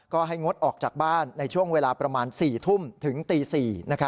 ก็ให้งดออกจากบ้านในช่วงเวลาประมาณ๔ทุ่มถึงตี๔